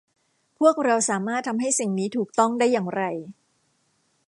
พวกเราสามารถทำให้สิ่งนี้ถูกต้องได้อย่างไร